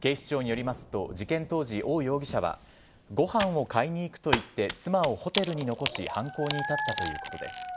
警視庁によりますと事件当時王容疑者はご飯を買いに行くと言って妻をホテルに残し犯行に至ったということです。